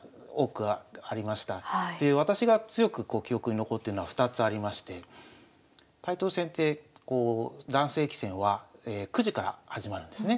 で私が強く記憶に残ってるのは２つありましてタイトル戦って男性棋戦は９時から始まるんですね。